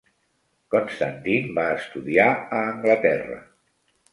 Constantine va estudiar a Anglaterra.